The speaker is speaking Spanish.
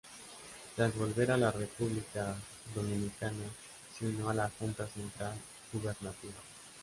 Tras volver a la República Dominicana, se unió a la Junta Central Gubernativa.